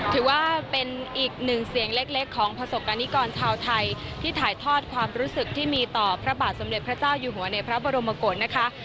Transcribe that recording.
ถือว่าเป็นอีกหนึ่งเสียงเล็กของประสบกรณิกรชาวไทยที่ถ่ายทอดความรู้สึกที่มีต่อพระบาทสมเด็จพระเจ้าอยู่หัวในพระบรมกฏนะคะ